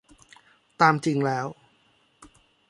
ตามจริงแล้ว